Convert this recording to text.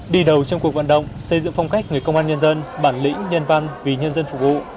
đi đầu trong cuộc vận động xây dựng phong cách người công an nhân dân bản lĩnh nhân văn vì nhân dân phục vụ